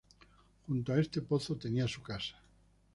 Junto a este pozo tenía su casa.